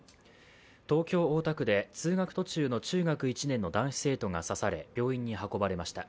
東京・大田区で通学途中の中学１年の男子生徒が刺され病院に運ばれました。